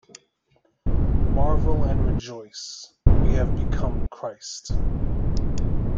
Marvel and rejoice: we have become Christ.